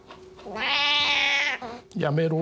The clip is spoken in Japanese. やめろ。